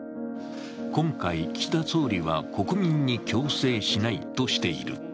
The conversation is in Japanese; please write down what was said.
今回岸田総理は国民に強制しないとしている。